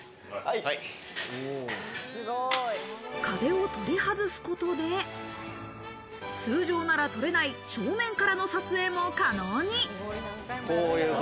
壁を取り外すことで、通常なら撮れない、正面からの撮影も可能に。